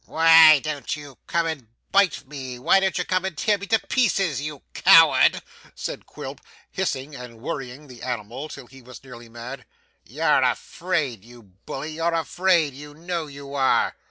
'Why don't you come and bite me, why don't you come and tear me to pieces, you coward?' said Quilp, hissing and worrying the animal till he was nearly mad. 'You're afraid, you bully, you're afraid, you know you are.